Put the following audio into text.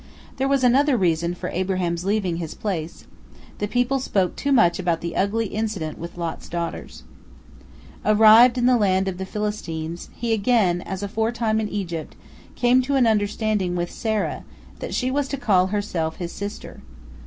There was another reason for Abraham's leaving his place; the people spoke too much about the ugly incident with Lot's daughters. Arrived in the land of the Philistines, he again, as aforetime in Egypt, came to an understanding with Sarah, that she was to call herself his sister.